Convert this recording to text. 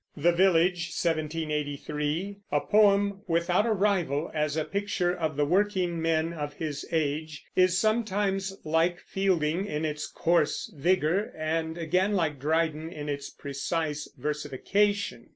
The Village (1783), a poem without a rival as a picture of the workingmen of his age, is sometimes like Fielding in its coarse vigor, and again like Dryden in its precise versification.